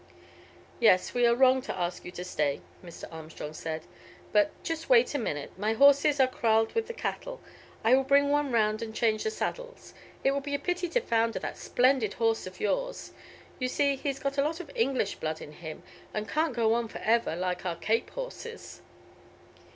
"Yes, we are wrong to ask you to stay," Mr. Armstrong said; "but just wait a minute, my horses are kraaled with the cattle. I will bring one round and change the saddles; it will be a pity to founder that splendid horse of yours. You see he has got a lot of English blood in him, and can't go on for ever like our Cape horses."